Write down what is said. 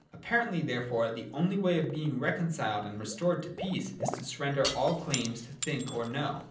Apparently therefore the only way of being reconciled and restored to peace is to surrender all claims to think or know.